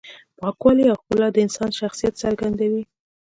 پاکوالی او ښکلا د انسان شخصیت څرګندوي.